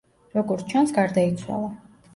როგორც ჩანს, გარდაიცვალა.